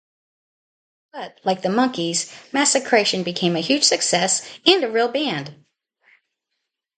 But, like The Monkees, Massacration became a huge success, and a real band.